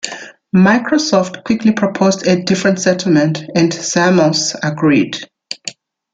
Microsoft quickly proposed a different settlement, and Zamos agreed.